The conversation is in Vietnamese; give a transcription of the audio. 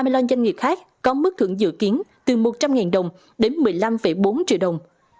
một trăm hai mươi loại doanh nghiệp khác có mức thưởng dự kiến từ một trăm linh đồng đến một mươi năm bốn triệu đồng